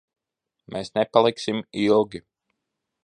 Mēs nepaliksim ilgi.